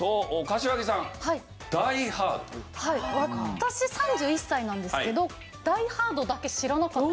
私３１歳なんですけど『ダイ・ハード』だけ知らなかった。